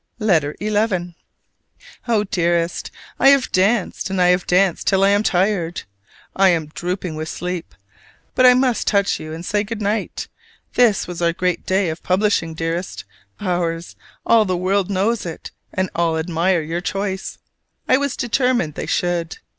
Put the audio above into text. LETTER XI Oh, Dearest: I have danced and I have danced till I am tired! I am dropping with sleep, but I must just touch you and say good night. This was our great day of publishing, dearest, ours: all the world knows it; and all admire your choice! I was determined they should.